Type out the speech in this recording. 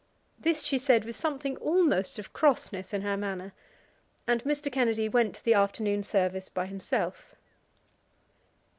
This she said with something almost of crossness in her manner, and Mr. Kennedy went to the afternoon service by himself.